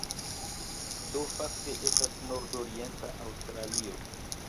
Do fakte estas nordorienta Aŭstralio.